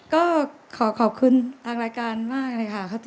ก็ขอขอบคุณทางรายการมากเลยค่ะ